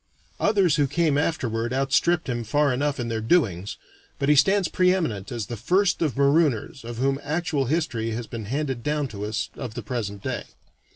Others who came afterward outstripped him far enough in their doings, but he stands pre eminent as the first of marooners of whom actual history has been handed down to us of the present day.